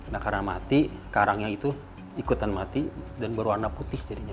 nah karena mati karangnya itu ikutan mati dan berwarna putih jadinya